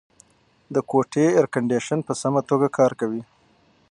د کوټې اېرکنډیشن په سمه توګه کار کوي.